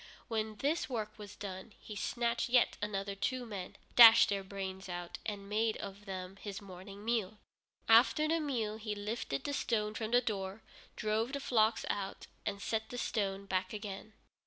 When this work was done he snatched yet other two men, dashed their brains out, and made of them his morning meal. After the meal, he lifted the stone from the door, drove the flocks out, and set the stone back again.